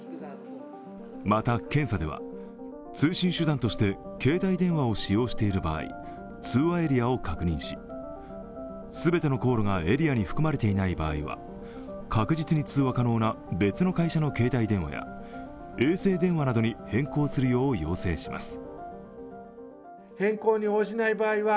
また検査では、通信手段として携帯電話を使用している場合通話エリアを確認し、全ての航路がエリアに含まれていない場合は確実に通話可能な別の会社の携帯電話や衛星電話などに変更するよう要請します。